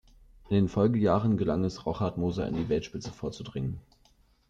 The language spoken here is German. In den Folgejahren gelang es Rochat-Moser in die Weltspitze vorzudringen.